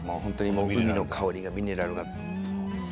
海の香りやミネラルが。